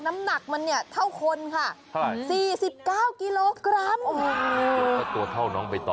น้ำหนักมันเนี่ยเท่าคนค่ะ๔๙กิโลกรัมโอ้โหตัวเท่าน้องไปต่อ